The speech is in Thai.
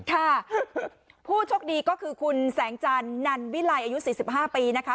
ค่ะผู้โชคดีก็คือคุณแสงจันทร์นันวิลัยอายุ๔๕ปีนะคะ